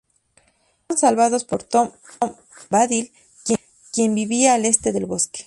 Son salvados por Tom Bombadil, quien vivía al este del Bosque.